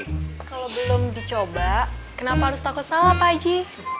kalo belum dicoba kenapa harus takut salah pak haji